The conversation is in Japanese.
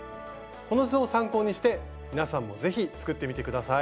この図を参考にして皆さんも是非作ってみて下さい。